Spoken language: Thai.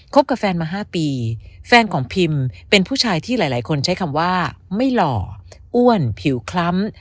กับแฟนมา๕ปีแฟนของพิมเป็นผู้ชายที่หลายคนใช้คำว่าไม่หล่ออ้วนผิวคล้ำ